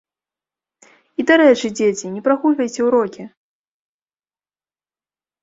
І, дарэчы, дзеці, не прагульвайце ўрокі!